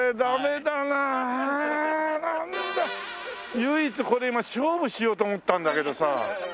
唯一これ今勝負しようと思ったんだけどさ。